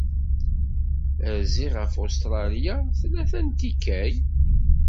Rziɣ ɣef Ustṛalya tlata n tikkal.